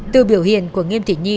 từ biểu hiện của nghiêm thị nhi